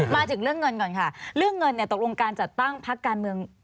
มาถึงเรื่องเงินก่อนค่ะเรื่องเงินเนี่ยตกลงการจัดตั้งพักการเมือง